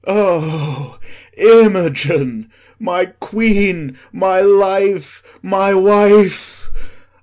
O Imogen! My queen, my life, my wife!